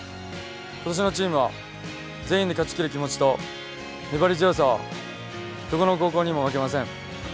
今年のチームは全員で勝ちきる気持ちと粘り強さはどこの高校にも負けません。